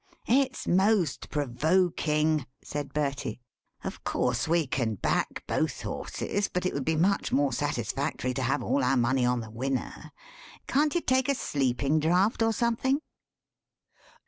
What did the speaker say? "It's most provoking," said Bertie; "of course, we can back both horses, but it would be much more satisfactory to have all our money on the winner. Can't you take a sleeping draught, or something?"